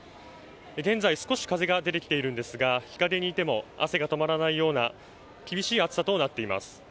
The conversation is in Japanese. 現在、少し風が出てきているんですが、日陰にいても汗が止まらないような厳しい暑さとなっています。